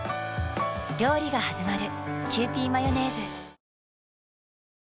料理がはじまる。